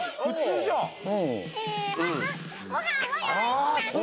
まずご飯を用意します